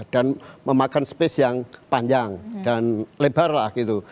dan memakan space yang panjang dan lebar lah gitu